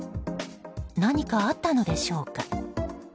何かあったのでしょうか。